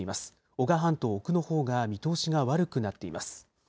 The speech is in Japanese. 男鹿半島、奥のほうが見通しが悪くなっています。